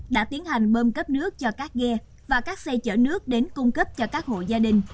đã tiến hành bơm cấp nước cho các ghe và các xe chở nước đến cung cấp cho các hộ gia đình